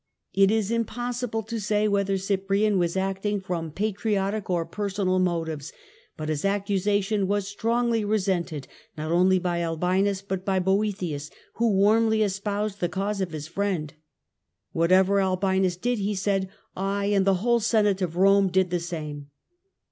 It is impossible to say whether Cyprian was acting from patriotic or personal motives, but his accusation was strongly resented not only by Albinus but by Boethius, who warmly espoused the cause of his friend. " Whatever Albinus did," he said, " I and the whole Senate of Rome did the same."